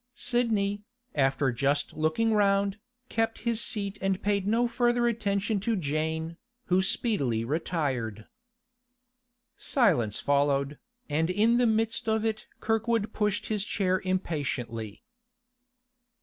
Sidney, after just looking round, kept his seat and paid no further attention to Jane, who speedily retired. Silence followed, and in the midst of it Kirkwood pushed his chair impatiently.